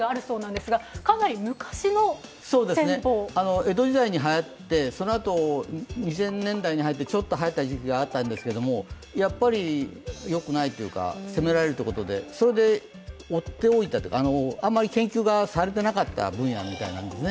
江戸時代にはやって、そのあと２０００年代に入ってちょっとはやった時期があったんですけども、やはりよくないというか、攻められるということで、それであまり研究がされてなかった分野みたいですね。